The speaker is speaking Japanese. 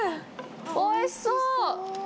おいしそう！